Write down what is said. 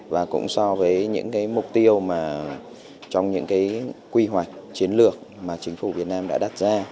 và cũng so với những mục tiêu mà trong những quy hoạch chiến lược mà chính phủ việt nam đã đặt ra